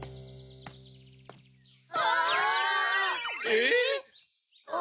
・えっ？